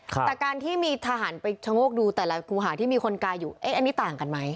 แต่การที่มีทหารไปชะโงกดูแต่ละครูหาที่มีคนกายอยู่เอ๊ะอันนี้ต่างกันไหม